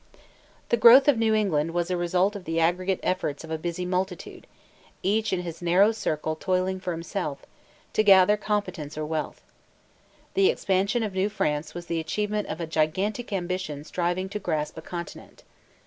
The growth of New England was a result of the aggregate efforts of a busy multitude, each in his narrow circle toiling for himself, to gather competence or wealth. The expansion of New France was the achievement of a gigantic ambition striving to grasp a continent.